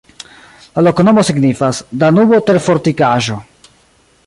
La loknomo signifas: Danubo-terfortikaĵo.